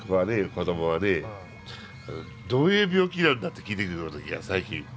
子供はねどういう病気なんだって聞いてくる時がある最近。